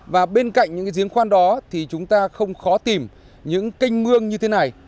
và bên cạnh những giếng khoan đó thì chúng ta không khó tìm những canh mương như thế này